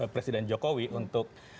presiden jokowi untuk